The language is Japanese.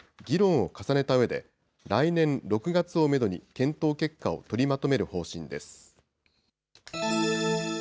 そして、議論を重ねたうえで来年６月をメドに、検討結果を取りまとめる方針です。